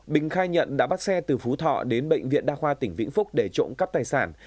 bình khai nhận đã bắt xe từ phú thọ đến bệnh viện đa khoa tỉnh vĩnh phúc để trộm cắp tài sản